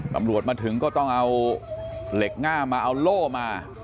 ตำรวจมาถึงก็ต้องเอาเหล็กง่ามาเอาโล่มา